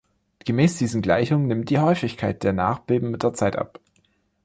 Gemäß diesen Gleichungen nimmt die Häufigkeit der Nachbeben mit der Zeit ab.